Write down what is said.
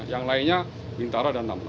yang lainnya bintara dan taman taman